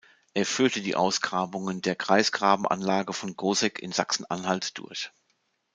Er führte die Ausgrabungen der Kreisgrabenanlage von Goseck in Sachsen-Anhalt durch.